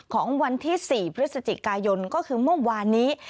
ของวันที่๔พฤศจิกายนก็คือเมื่อวานนี้